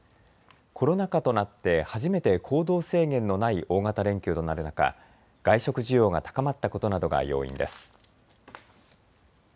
コロナ禍となって初めて行動制限のない大型連休となる中、外食需要が高まったことなどが要因です。